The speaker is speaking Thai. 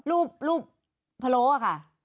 รูปรูปพะโล่อะค่ะ